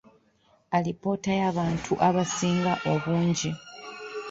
Alipoota y’abantu abasinga obungi.